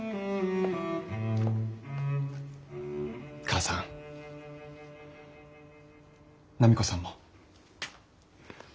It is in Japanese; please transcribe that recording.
母さん波子さんも。